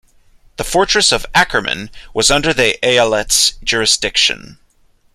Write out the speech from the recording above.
The fortress of Akkerman was under the eyalet's jurisdiction.